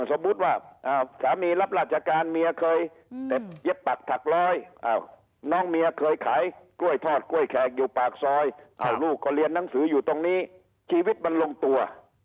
สมมุติว่าสามีรับราชการเมียเคยเย็บปักถักร้อยน้องเมียเคยขายกล้วยทอดกล้วยแขกอยู่ปากซอยลูกก็เรียนหนังสืออยู่ตรงนี้ชีวิตมันลงตัว